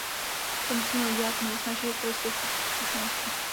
To musíme udělat my s naší historickou zkušeností.